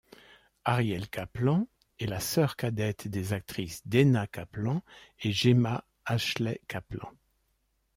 Ariel Kaplan est la sœur cadette des actrices Dena Kaplan et Gemma-Ashley Kaplan.